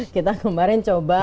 kita kemarin coba